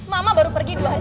mama baru pergi dua hari